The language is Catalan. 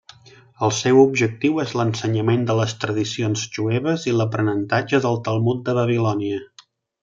El seu objectiu és l'ensenyament de les tradicions jueves i l'aprenentatge del Talmud de Babilònia.